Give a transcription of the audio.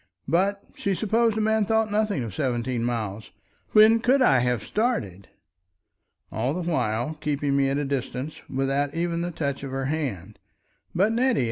But she supposed a man thought nothing of seventeen miles. When could I have started! All the while, keeping me at a distance, without even the touch of her hand. "But, Nettie!